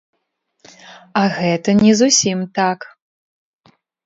А гэта не зусім так.